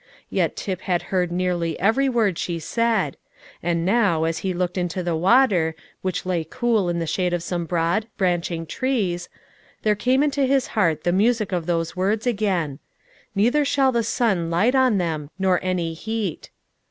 Yet Tip had heard nearly every word she said; and now, as he looked into the water, which lay cool in the shade of some broad, branching trees, there came into his heart the music of those words again, "Neither shall the sun light on them, nor any heat."